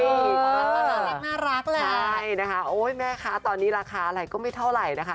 น่ารักแหละใช่นะคะโอ้ยแม่ค้าตอนนี้ราคาอะไรก็ไม่เท่าไหร่นะคะ